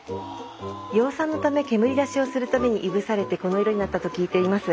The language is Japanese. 養蚕のため煙出しをするたびにいぶされてこの色になったと聞いています。